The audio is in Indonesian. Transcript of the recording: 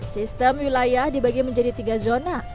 sistem wilayah dibagi menjadi tiga zona